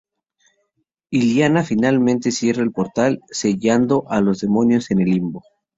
Illyana finalmente cierra el portal, sellando a los demonios en el Limbo.